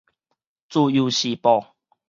自由時報